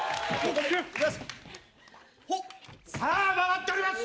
さぁ回っております！